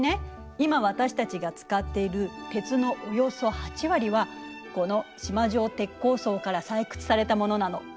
今私たちが使っている鉄のおよそ８割はこの縞状鉄鉱層から採掘されたものなの。